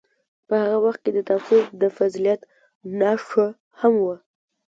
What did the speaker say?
په هغه وخت کې تعصب د فضیلت نښه هم وه.